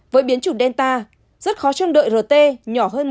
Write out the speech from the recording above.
với biến chủ delta rất khó chống đợi rt nhỏ hơn một